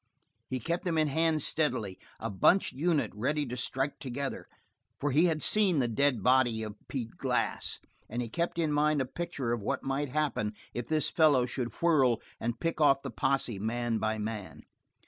He kept them in hand steadily, a bunched unit ready to strike together, for he had seen the dead body of Pete Glass and he kept in mind a picture of what might happen if this fellow should whirl and pick off the posse man by man.